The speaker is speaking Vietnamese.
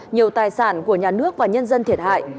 nhiều tài sản của nhà nước và nhân dân thiệt hại